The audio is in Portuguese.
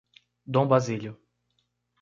Dom Basílio